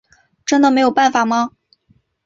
真的没有办法吗？